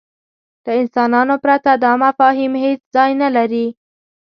له انسانانو پرته دا مفاهیم هېڅ ځای نهلري.